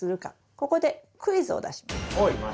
ここでクイズを出します。